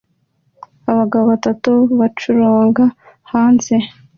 Abagabo batatu bacuranga hanze